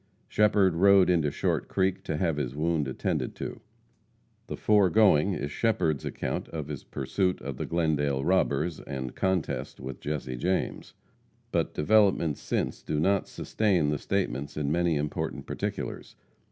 Shepherd rode into Short Creek to have his wound attended to. The foregoing is Shepherd's account of his pursuit of the Glendale robbers and contest with Jesse James. But developments since do not sustain the statements in many important particulars.